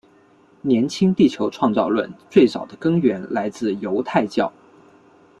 年轻地球创造论最早的根源来自犹太教。